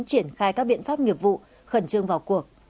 triển khai các biện pháp nghiệp vụ khẩn trương vào cuộc